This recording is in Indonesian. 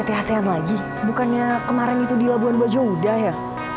lebih asean lagi bukannya kemarin itu di labuan bajo udah ya